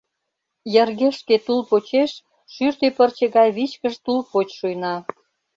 Йыргешке тул почеш шӱртӧ пырче гай вичкыж тул поч шуйна.